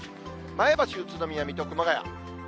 前橋、宇都宮、水戸、熊谷。